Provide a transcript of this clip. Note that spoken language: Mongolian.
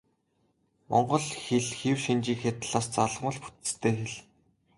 Монгол хэл хэв шинжийнхээ талаас залгамал бүтэцтэй хэл.